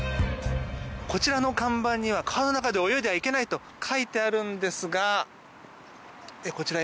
こちらの看板には川の中で泳いではいけないと書いてあるんですがこちら